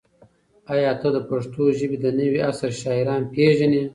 ایا ته د پښتو ژبې د نوي عصر شاعران پېژنې؟